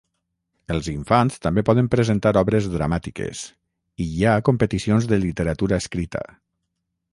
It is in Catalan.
Els infants també poden presentar obres dramàtiques, i hi ha competicions de literatura escrita.